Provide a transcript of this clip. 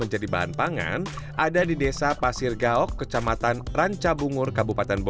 kegiatan selalu diawali dengan ngasih makan